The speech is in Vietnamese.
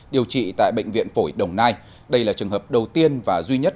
điều trị tại bệnh viện phổi đồng nai đây là trường hợp đầu tiên và duy nhất